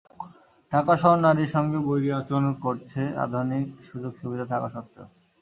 ঢাকা শহর নারীর সঙ্গে বৈরী আচরণ করছে আধুনিক সুযোগ-সুবিধা থাকা সত্ত্বেও।